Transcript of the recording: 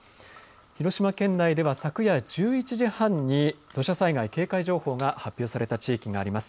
広島県内では昨夜１１時半に土砂災害警戒情報が発表された地域があります。